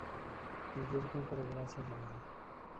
Nueva York nunca volverá a ser la misma.